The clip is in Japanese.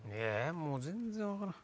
もう全然分からん。